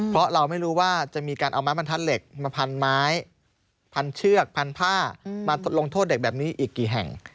เพราะเราไม่รู้ว่าจะมีการเอาไม้บรรทัดเหล็กมาพันไม้พันเชือกพันผ้ามาลงโทษเด็กแบบนี้อีกกี่แห่ง